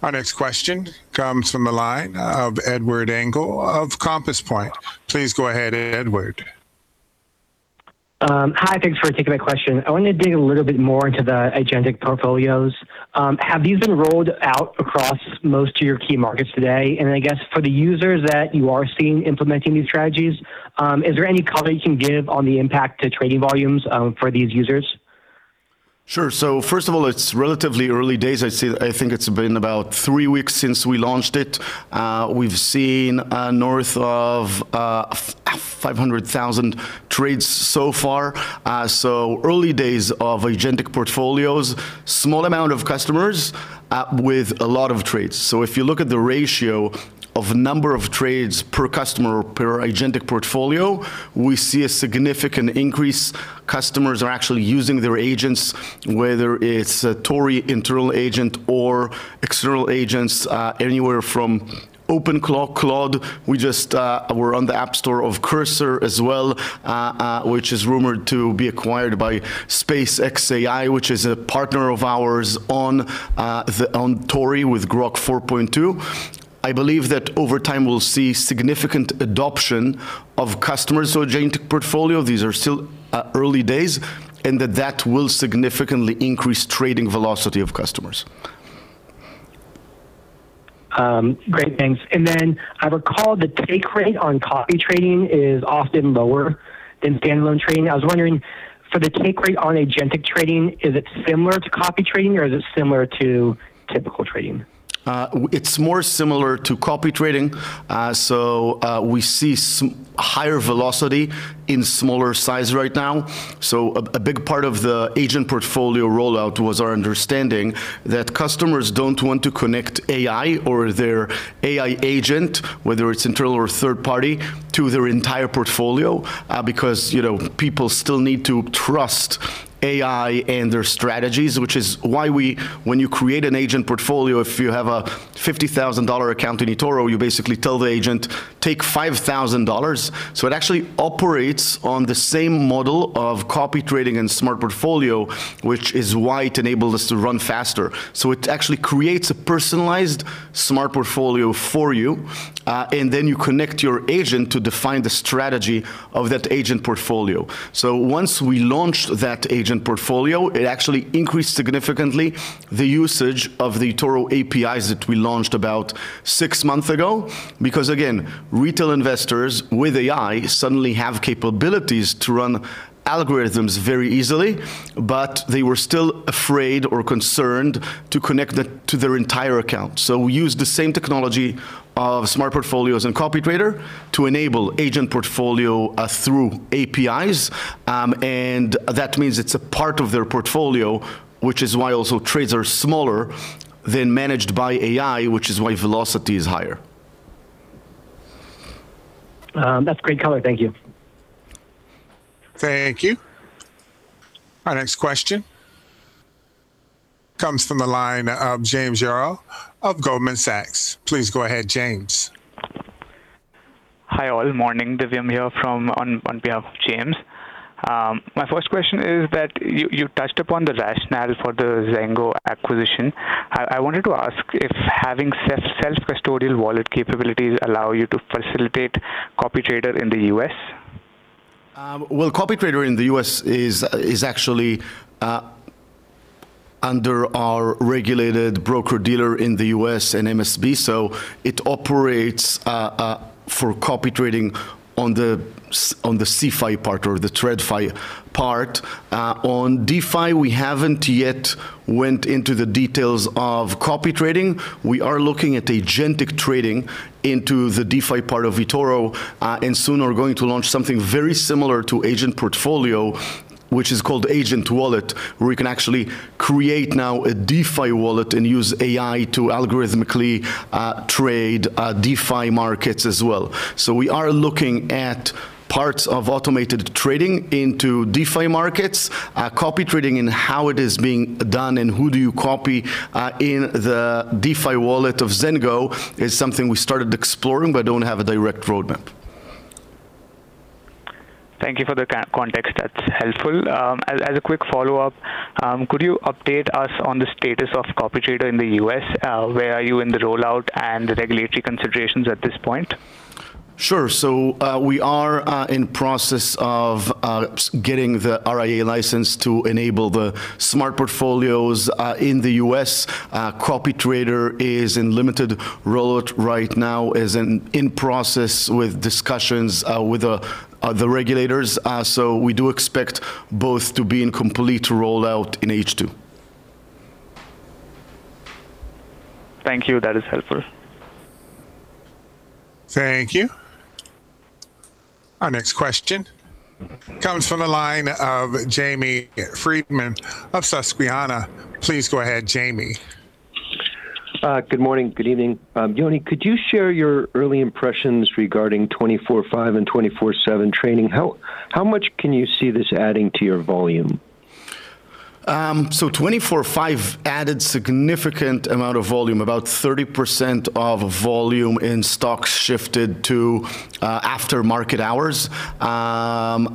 Our next question comes from the line of Edward Engel of Compass Point. Please go ahead, Edward. Hi. Thanks for taking my question. I want to dig a little bit more into the Agent Portfolios. Have these been rolled out across most of your key markets today? I guess for the users that you are seeing implementing these strategies, is there any color you can give on the impact to trading volumes, for these users? Sure. First of all, it's relatively early days. I'd say I think it's been about three weeks since we launched it. We've seen north of 500,000 trades so far. Early days of Agent Portfolios, small amount of customers with a lot of trades. If you look at the ratio of number of trades per customer, per Agent Portfolio, we see a significant increase. Customers are actually using their agents, whether it's a Tori internal agent or external agents, anywhere from OpenClaw, Claude. We just, we're on the App Store of Cursor as well, which is rumored to be acquired by SpaceX AI, which is a partner of ours on Tori with Grok 4.2. I believe that over time we'll see significant adoption of customers with Agent Portfolios, these are still early days, that will significantly increase trading velocity of customers. Great. Thanks. I recall the take rate on copy trading is often lower than standalone trading. I was wondering for the take rate on agentic trading, is it similar to copy trading or is it similar to typical trading? It's more similar to copy trading. We see higher velocity in smaller size right now. A big part of the Agent Portfolio rollout was our understanding that customers don't want to connect AI or their AI agent, whether it's internal or third party, to their entire portfolio, because, you know, people still need to trust AI and their strategies, which is why when you create an Agent Portfolio, if you have a $50,000 account in eToro, you basically tell the agent, "Take $5,000." It actually operates on the same model of copy trading and Smart Portfolios, which is why it enabled us to run faster. It actually creates a personalized Smart Portfolios for you, and then you connect your agent to define the strategy of that Agent Portfolio. Once we launched that Agent Portfolio, it actually increased significantly the usage of the eToro APIs that we launched about six months ago. Again, retail investors with AI suddenly have capabilities to run algorithms very easily, but they were still afraid or concerned to connect that to their entire account. We use the same technology of Smart Portfolios and CopyTrader to enable Agent Portfolio through APIs. That means it's a part of their portfolio, which is why also trades are smaller than managed by AI, which is why velocity is higher. That's great color. Thank you. Thank you. Our next question comes from the line of James Yaro of Goldman Sachs. Please go ahead, James. Hi, all. Morning. Divyam here on behalf of James. My first question is that you touched upon the rationale for the Zengo acquisition. I wanted to ask if having self-custodial wallet capabilities allow you to facilitate CopyTrader in the U.S.? CopyTrader in the U.S. is actually under our regulated broker-dealer in the U.S. and MSB. It operates for copy trading on the CeFi part or the TradFi part. On DeFi, we haven't yet went into the details of copy trading. We are looking at agentic trading into the DeFi part of eToro and soon are going to launch something very similar to Agent Portfolio, which is called Agent Wallet, where you can actually create now a DeFi wallet and use AI to algorithmically trade DeFi markets as well. We are looking at parts of automated trading into DeFi markets. Copy trading and how it is being done, and who do you copy in the DeFi wallet of Zengo is something we started exploring, but don't have a direct roadmap. Thank you for the context. That's helpful. As a quick follow-up, could you update us on the status of CopyTrader in the U.S.? Where are you in the rollout and the regulatory considerations at this point? Sure. We are in process of getting the RIA license to enable the Smart Portfolios in the U.S. CopyTrader is in limited rollout right now, is in process with discussions with the regulators. We do expect both to be in complete rollout in H2. Thank you. That is helpful. Thank you. Our next question comes from the line of Jamie Friedman of Susquehanna. Please go ahead, Jamie. Good morning, good evening. Yoni, could you share your early impressions regarding 24/5 and 24/7 trading? How much can you see this adding to your volume? 24/5 added significant amount of volume, about 30% of volume in stocks shifted to after market hours. I'm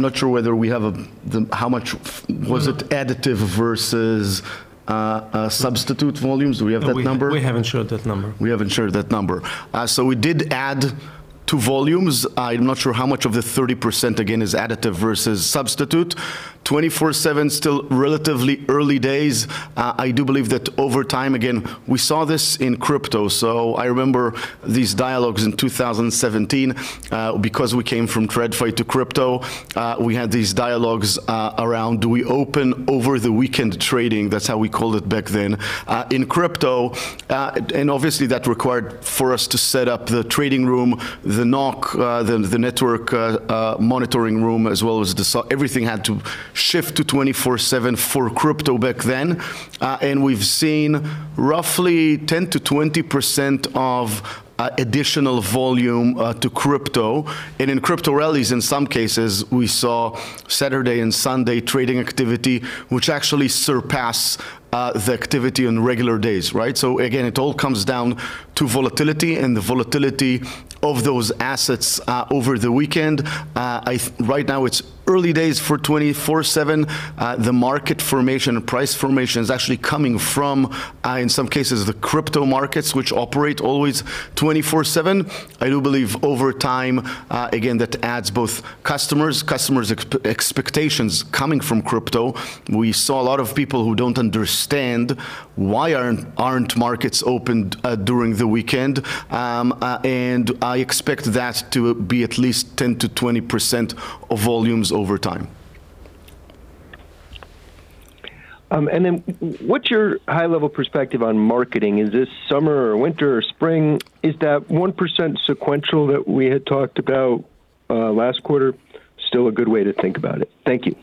not sure whether we have the how much was it additive versus a substitute volumes. Do we have that number? No, we haven't shared that number. We haven't shared that number. We did add to volumes. I'm not sure how much of the 30% again is additive versus substitute. 24/7, still relatively early days. I do believe that over time, again, we saw this in crypto, so I remember these dialogues in 2017, because we came from TradFi to crypto. We had these dialogues around do we open over the weekend trading? That's how we called it back then. In crypto, obviously that required for us to set up the trading room, the NOC, the network monitoring room, as well as everything had to shift to 24/7 for crypto back then. We've seen roughly 10%-20% of additional volume to crypto. In crypto rallies, in some cases, we saw Saturday and Sunday trading activity which actually surpass the activity on regular days, right? Again, it all comes down to volatility and the volatility of those assets over the weekend. Right now it's early days for 24/7. The market formation, price formation is actually coming from, in some cases, the crypto markets which operate always 24/7. I do believe over time, again, that adds both customers expectations coming from crypto. We saw a lot of people who don't understand why aren't markets opened during the weekend. I expect that to be at least 10%-20% of volumes over time. What's your high level perspective on marketing? Is this summer or winter or spring? Is that 1% sequential that we had talked about, last quarter still a good way to think about it? Thank you.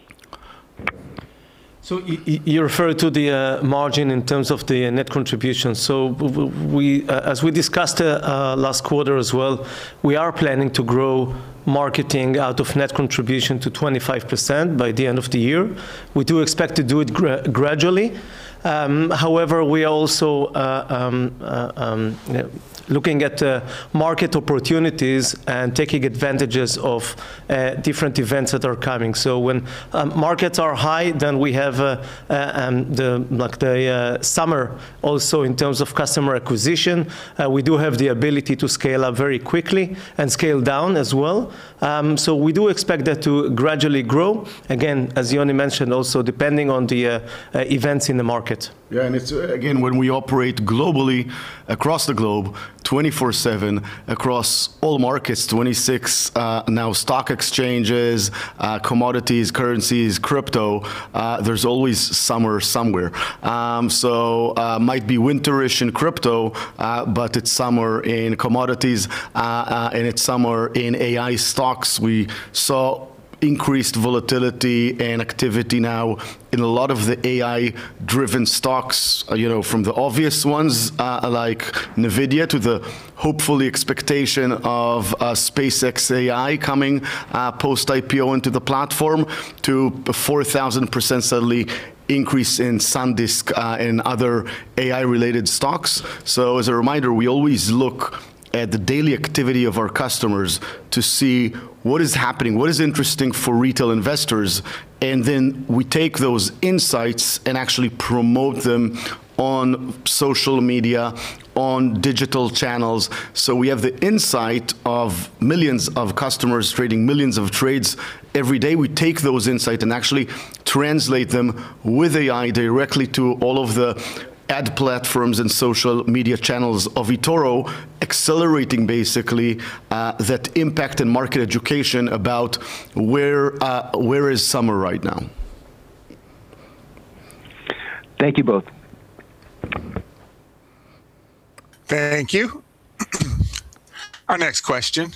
You refer to the margin in terms of the net contribution. As we discussed last quarter as well, we are planning to grow marketing out of net contribution to 25% by the end of the year. We do expect to do it gradually. However, we also, you know, looking at market opportunities and taking advantages of different events that are coming. When markets are high, then we have like the summer also in terms of customer acquisition. We do have the ability to scale up very quickly and scale down as well. We do expect that to gradually grow. Again, as Yoni mentioned also, depending on the events in the market. It's, again, when we operate globally across the globe, 24/7, across all markets, 26 now stock exchanges, commodities, currencies, crypto, there's always summer somewhere. Might be winter-ish in crypto, but it's summer in commodities, and it's summer in AI stocks. We saw increased volatility and activity now in a lot of the AI-driven stocks, you know, from the obvious ones, like NVIDIA to the hopefully expectation of SpaceX AI coming post IPO into the platform to a 4,000% suddenly increase in SanDisk and other AI related stocks. As a reminder, we always look at the daily activity of our customers to see what is happening, what is interesting for retail investors, we take those insights and actually promote them on social media, on digital channels. We have the insights of millions of customers trading millions of trades every day. We take those insights and actually translate them with AI directly to all of the ad platforms and social media channels of eToro, accelerating basically, that impact and market education about where is summer right now. Thank you both. Thank you. Our next question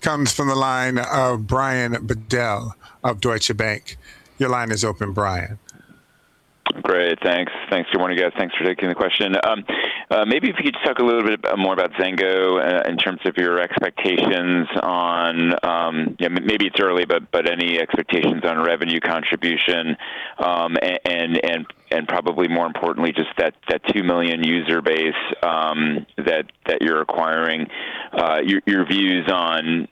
comes from the line of Brian Bedell of Deutsche Bank. Your line is open, Brian. Great. Thanks. Good morning, guys. Thanks for taking the question. Maybe if you could talk a little bit more about Zengo in terms of your expectations on, you know, maybe it's early, but any expectations on revenue contribution. Probably more importantly just that 2 million user base that you're acquiring. Your views on,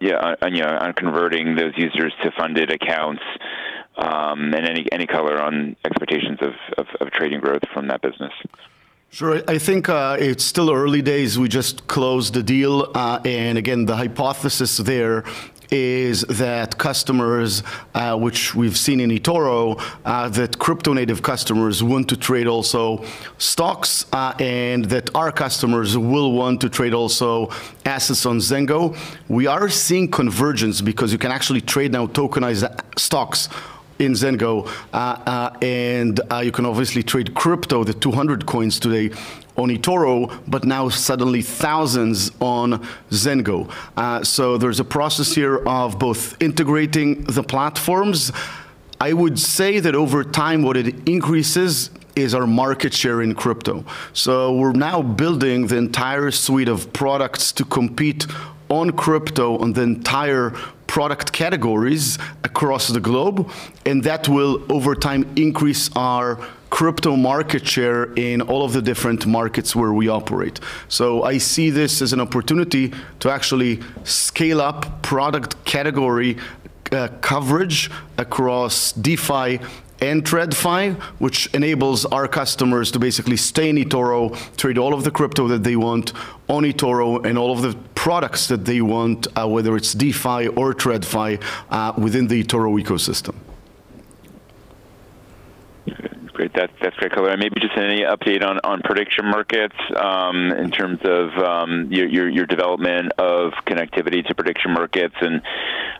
yeah, on, you know, on converting those users to funded accounts. Any color on expectations of trading growth from that business? Sure. I think it's still early days. We just closed the deal. Again, the hypothesis there is that customers, which we've seen in eToro, that crypto-native customers want to trade also stocks, and that our customers will want to trade also assets on Zengo. We are seeing convergence because you can actually trade now tokenized stocks in Zengo. You can obviously trade crypto, the 200 coins today on eToro, but now suddenly thousands on Zengo. There's a process here of both integrating the platforms. I would say that over time, what it increases is our market share in crypto. We're now building the entire suite of products to compete on crypto on the entire product categories across the globe, and that will over time increase our crypto market share in all of the different markets where we operate. I see this as an opportunity to actually scale up product category coverage across DeFi and TradFi, which enables our customers to basically stay in eToro, trade all of the crypto that they want on eToro, and all of the products that they want, whether it's DeFi or TradFi, within the eToro ecosystem. Okay, great. That's great color. Maybe just any update on prediction markets, in terms of your development of connectivity to prediction markets and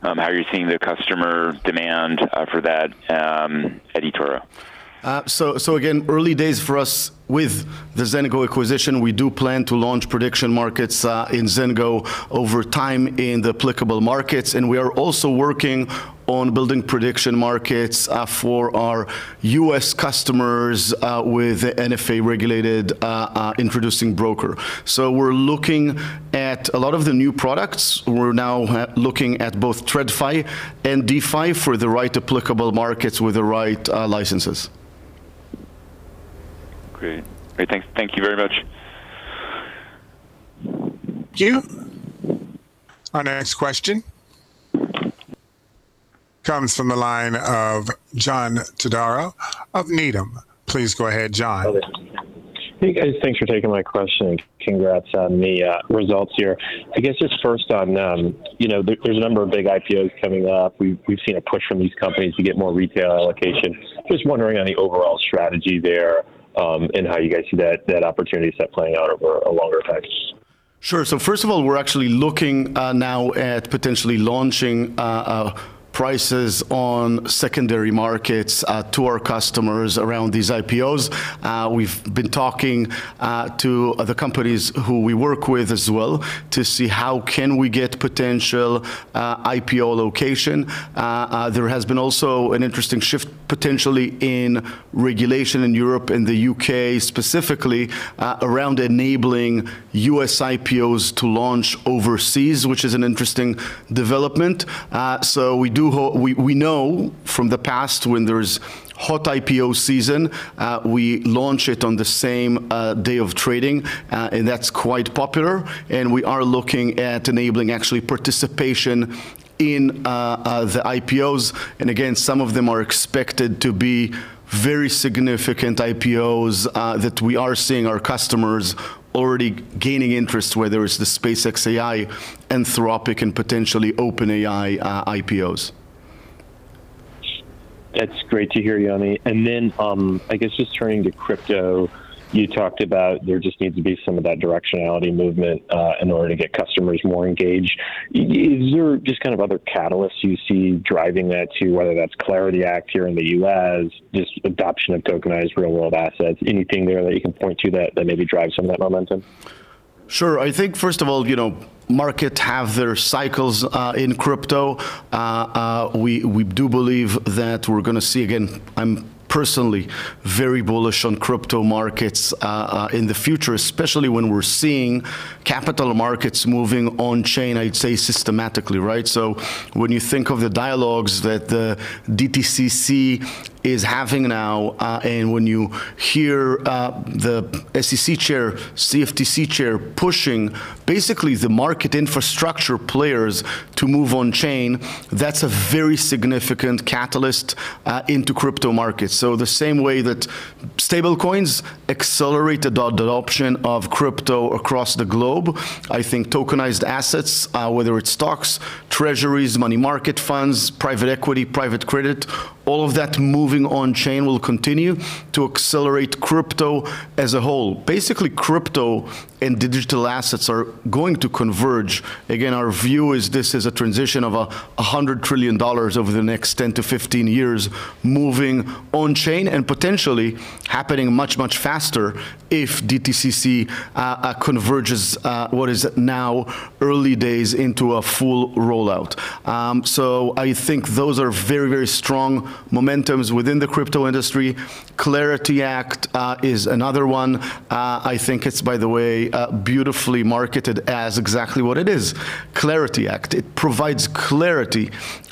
how you're seeing the customer demand for that at eToro. Again, early days for us with the Zengo acquisition. We do plan to launch prediction markets in Zengo over time in the applicable markets, and we are also working on building prediction markets for our U.S. customers with NFA-regulated introducing broker. We're looking at a lot of the new products. We're now looking at both TradFi and DeFi for the right applicable markets with the right licenses. Great. Great. Thank you very much. Thank you. Our next question comes from the line of John Todaro of Needham. Please go ahead, John. Hey, guys. Thanks for taking my question. Congrats on the results here. I guess just first on, you know, there's a number of big IPOs coming up. We've seen a push from these companies to get more retail allocation. Just wondering on the overall strategy there, and how you guys see that opportunity set playing out over a longer time. Sure. First of all, we're actually looking now at potentially launching prices on secondary markets to our customers around these IPOs. We've been talking to the companies who we work with as well to see how can we get potential IPO allocation. There has been also an interesting shift potentially in regulation in Europe and the U.K. specifically around enabling U.S. IPOs to launch overseas, which is an interesting development. We know from the past when there's hot IPO season, we launch it on the same day of trading, and that's quite popular. We are looking at enabling actually participation in the IPOs. Again, some of them are expected to be very significant IPOs that we are seeing our customers already gaining interest, whether it's the SpaceX AI, Anthropic, and potentially OpenAI IPOs. That's great to hear, Yoni. I guess just turning to crypto, you talked about there just needs to be some of that directionality movement, in order to get customers more engaged. Is there just kind of other catalysts you see driving that too, whether that's CLARITY Act here in the U.S., just adoption of tokenized real-world assets? Anything there that you can point to that maybe drives some of that momentum? Sure. I think first of all, you know, markets have their cycles in crypto. We do believe that we're gonna see. Again, I'm personally very bullish on crypto markets in the future, especially when we're seeing capital markets moving on-chain, I'd say systematically, right? When you think of the dialogues that the DTCC is having now, and when you hear the SEC chair, CFTC chair pushing basically the market infrastructure players to move on-chain, that's a very significant catalyst into crypto markets. The same way that stablecoins accelerate the adoption of crypto across the globe, I think tokenized assets, whether it's stocks, treasuries, money market funds, private equity, private credit, all of that moving on-chain will continue to accelerate crypto as a whole. Basically, crypto and digital assets are going to converge. Our view is this is a transition of $100 trillion over the next 10-15 years moving on-chain and potentially happening much, much faster if DTCC converges what is now early days into a full rollout. I think those are very, very strong momentums within the crypto industry. CLARITY Act is another one. I think it's, by the way, beautifully marketed as exactly what it is, CLARITY Act. It provides clarity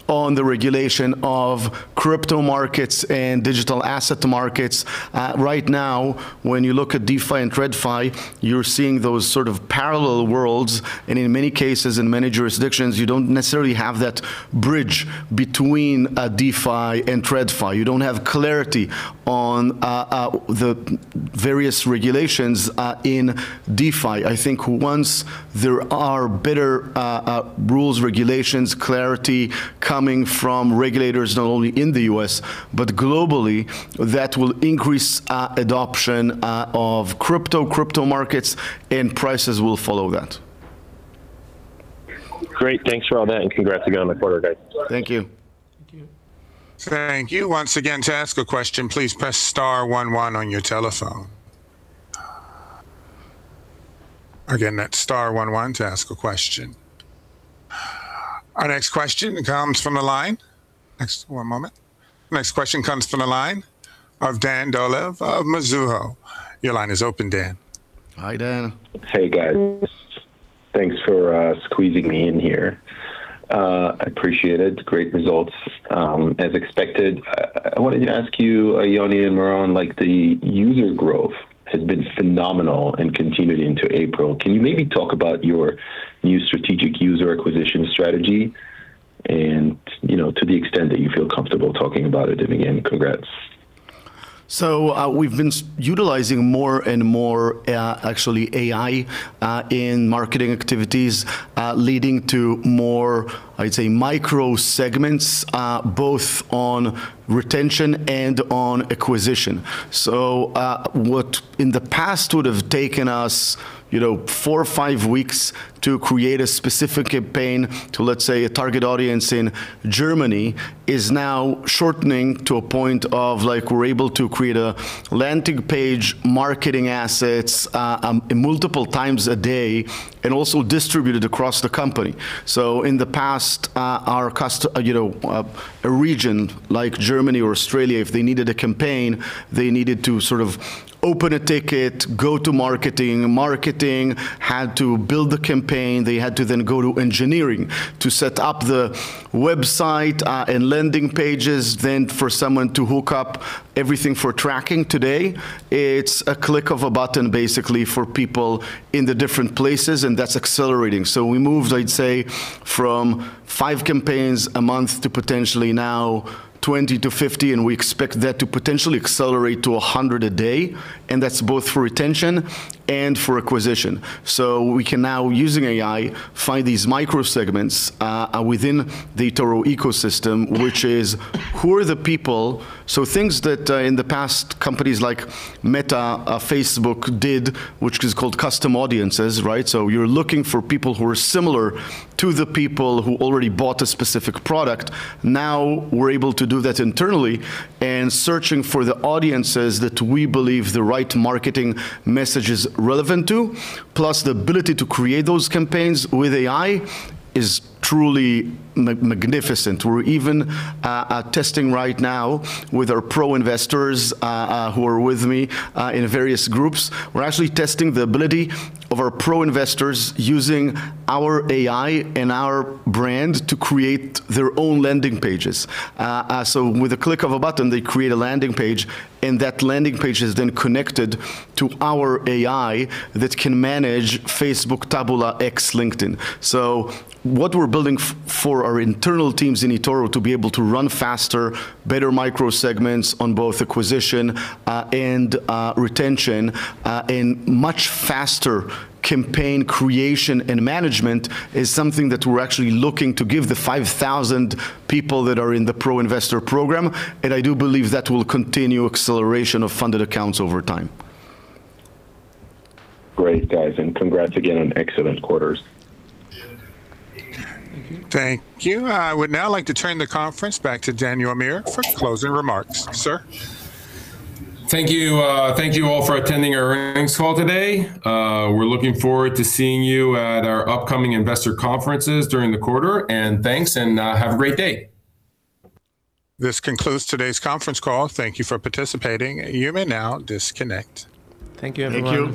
on the regulation of crypto markets and digital asset markets. Right now, when you look at DeFi and TradFi, you're seeing those sort of parallel worlds, and in many cases, in many jurisdictions, you don't necessarily have that bridge between a DeFi and TradFi. You don't have clarity on the various regulations in DeFi. I think once there are better rules, regulations, clarity coming from regulators, not only in the U.S., but globally, that will increase adoption of crypto markets, and prices will follow that. Great. Thanks for all that, and congrats again on the quarter, guys. Thank you. Thank you. Thank you. Once again, to ask a question, please press star one one on your telephone. Again, that's star one one to ask a question. Our next question comes from the line, one moment. Next question comes from the line of Dan Dolev of Mizuho. Your line is open, Dan. Hi, Dan. Hey, guys. Thanks for squeezing me in here. I appreciate it. Great results, as expected. I wanted to ask you, Yoni and Meron, like, the user growth has been phenomenal and continued into April. Can you maybe talk about your new strategic user acquisition strategy and, you know, to the extent that you feel comfortable talking about it? Again, congrats. We've been utilizing more and more, actually AI, in marketing activities, leading to more, I'd say, micro segments, both on retention and on acquisition. What in the past would have taken us, you know, four or five weeks to create a specific campaign to, let's say, a target audience in Germany, is now shortening to a point of, like, we're able to create a landing page marketing assets, multiple times a day and also distribute it across the company. In the past, our, you know, a region like Germany or Australia, if they needed a campaign, they needed to sort of open a ticket, go to marketing. Marketing had to build the campaign. They had to then go to engineering to set up the website, and landing pages, then for someone to hook up everything for tracking. Today, it's a click of a button basically for people in the different places, and that's accelerating. We moved, I'd say, from five campaigns a month to potentially now 20-50, and we expect that to potentially accelerate to 100 a day, and that's both for retention and for acquisition. We can now, using AI, find these micro segments within the eToro ecosystem, which is who are the people? Things that, in the past companies like Meta, Facebook did, which is called custom audiences, right? You're looking for people who are similar to the people who already bought a specific product. We're able to do that internally and searching for the audiences that we believe the right marketing message is relevant to. The ability to create those campaigns with AI is truly magnificent. We're even testing right now with our pro investors who are with me in various groups. We're actually testing the ability of our pro investors using our AI and our brand to create their own landing pages. With a click of a button, they create a landing page, and that landing page is then connected to our AI that can manage Facebook, Taboola, X, LinkedIn. What we're building for our internal teams in eToro to be able to run faster, better micro segments on both acquisition, and retention, and much faster campaign creation and management is something that we're actually looking to give the 5,000 people that are in the pro investor program, and I do believe that will continue acceleration of funded accounts over time. Great, guys, and congrats again on excellent quarter. Thank you. I would now like to turn the conference back to Daniel Amir for closing remarks. Sir? Thank you. Thank you all for attending our earnings call today. We're looking forward to seeing you at our upcoming investor conferences during the quarter. Thanks, and, have a great day. This concludes today's conference call. Thank you for participating. You may now disconnect. Thank you, everyone. Thank you.